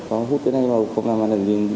có hút cái này vào không làm gì được